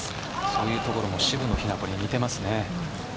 そういうところも渋野日向子に似てますね。